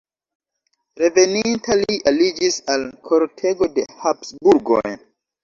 Reveninta li aliĝis al kortego de Habsburgoj.